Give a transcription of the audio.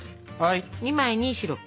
２枚にシロップ。